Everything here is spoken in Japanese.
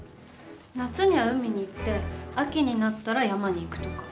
夏には海に行って秋になったら山に行くとか。